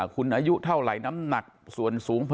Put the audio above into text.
คุณอายุเท่าไหร่น้ำหนักส่วนสูง